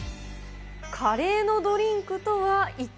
カレーのドリンクとは一体？